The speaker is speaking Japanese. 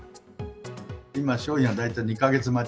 今、商品は大体２か月待ち。